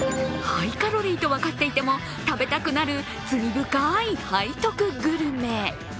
ハイカロリーと分かっていても食べたくなる罪深い背徳グルメ。